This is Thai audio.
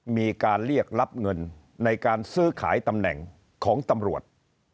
มีการเรียกรับเงินในการซื้อขายตำแหน่งของตำรวจ